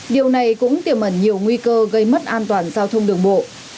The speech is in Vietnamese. điều này cũng tiềm ẩn nhiều nguy cơ gây mất an toàn giao thông đường bộ